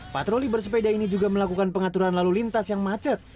patroli bersepeda ini juga melakukan pengaturan lalu lintas yang macet